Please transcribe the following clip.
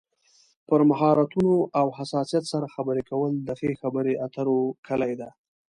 پر مهارتونو او حساسیت سره خبرې کول د ښې خبرې اترو کلي ده.